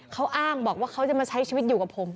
เขาอ้างบอกว่าเขาจะมาใช้ชีวิตอยู่กับผม